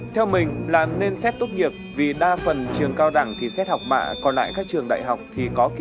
theo mình là nên xét tốt nghiệp vì đa phần trường cao đẳng thì xét học bạ còn lại các trường đại học thì có kỳ thi